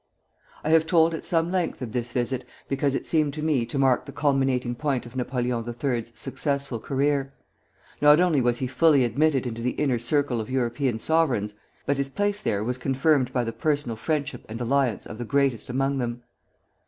I have told at some length of this visit, because it seemed to me to mark the culminating point of Napoleon III.'s successful career; not only was he fully admitted into the inner circle of European sovereigns, but his place there was confirmed by the personal friendship and alliance of the greatest among them.